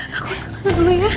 kak aku harus ke sana dulu ya